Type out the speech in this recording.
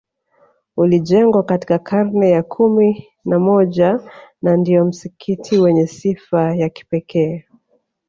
Ulijengwa katika karne ya kumi na moja na ndio msikiti wenye sifa ya kipekee